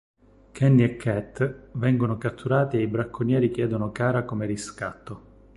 Kenny e Cat vengono catturati e i bracconieri chiedono Kara come riscatto.